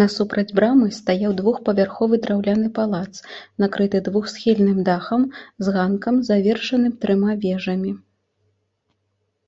Насупраць брамы стаяў двухпавярховы драўляны палац, накрыты двухсхільным дахам, з ганкам, завершаным трыма вежамі.